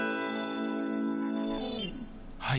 はい。